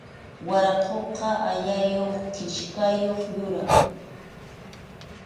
Waraquqa allakuq kichkayuq yuram.